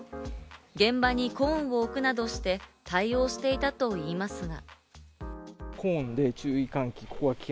現場にコーンを置くなどして対応していたといいますが。